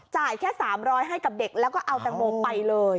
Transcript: แค่๓๐๐ให้กับเด็กแล้วก็เอาแตงโมไปเลย